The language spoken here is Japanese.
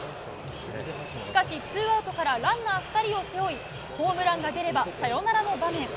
しかし、ツーアウトからランナー２人を背負いホームランが出ればサヨナラの場面。